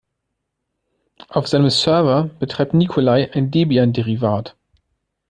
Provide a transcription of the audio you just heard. Auf seinem Server betreibt Nikolai ein Debian-Derivat.